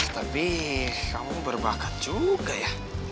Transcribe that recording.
tapi kamu berbakat juga ya